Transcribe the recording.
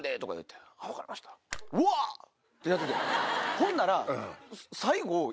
ほんなら。